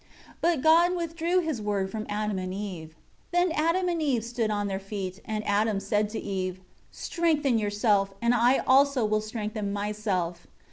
2 But God withdrew His Word from Adam and Eve. 3 Then Adam and Eve stood on their feet; and Adam said to Eve, "Strengthen yourself, and I also will strengthen myself."